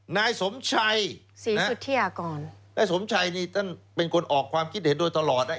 นายสมชัยนายสมชัยนี่เป็นคนออกความคิดเห็นโดยตลอด